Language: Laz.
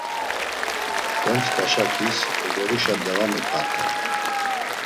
Gontzk̆aşakis ogoruşa devami p̆aten.